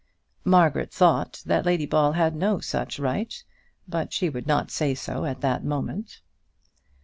Margaret thought that Lady Ball had no such right, but she would not say so at that moment.